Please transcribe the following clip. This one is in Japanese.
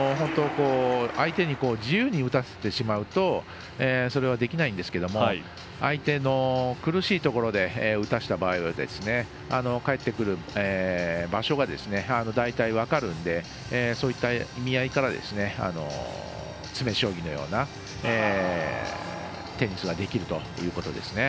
相手に自由に打たせてしまうとそれはできないんですけれども相手の苦しいところで打たせた場合は返ってくる場所が大体、分かるのでそういった意味合いから詰め将棋のようなテニスができるということですね。